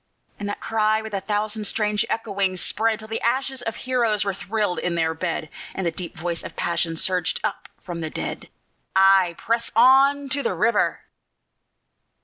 And that cry, with a thousand strange echoings, spread, Till the ashes of heroes were thrilled in their bed, And the deep voice of passion surged up from the dead, "_Ay, press on to the river!